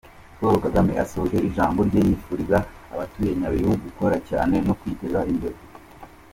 Paul Kagame asoje ijambo rye yifuriza abatuye Nyabihu gukora cyane no kwiteza imbere.